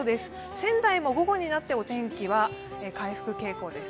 仙台も午後になって、お天気は回復傾向です。